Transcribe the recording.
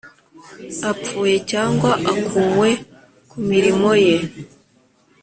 apfuye cyangwa akuwe ku mirimo ye